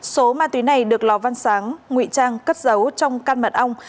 số ma túy này được lò văn sáng ngụy trang cất giấu trong căn mật ong